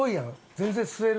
全然吸える。